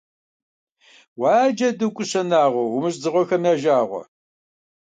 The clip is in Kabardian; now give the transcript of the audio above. Уа, Джэду, КӀущэ Нагъуэ, умыщӀ дзыгъуэхэм я жагъуэ.